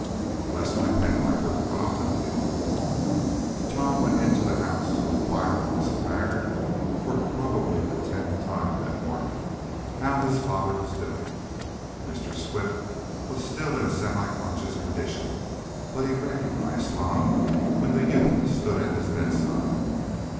"Bless my penwiper, but I'll help you." Tom went into the house, to inquire of Mrs. Baggert, for probably the tenth time that morning, how his father was doing. Mr. Swift was still in a semi conscious condition, but he recognized Tom, when the youth stood at his bedside.